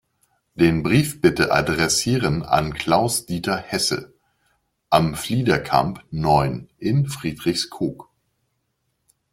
Den Brief bitte adressieren an Klaus-Dieter Hesse, Am Fliederkamp neun in Friedrichskoog.